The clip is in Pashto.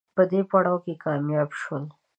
په دې پړاو کې کامیاب شول